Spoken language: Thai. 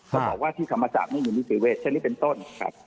เขาบอกว่าที่ธรรมศาสตร์ไม่มีวิทยาลัยเวทย์เช่นนี้เป็นต้นครับ